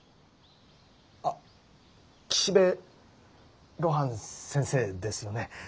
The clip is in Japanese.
あ岸辺露伴先生ですよね。